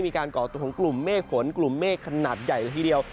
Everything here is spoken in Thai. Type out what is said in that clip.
ก่อตัวของกลุ่มเมฆฝนกลุ่มเมฆขนาดใหญ่ละทีเดียว